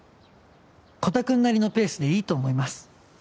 コタくんなりのペースでいいと思います。